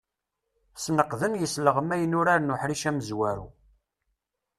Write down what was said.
Sneqden yisleɣmayen urar n uḥric amezwaru.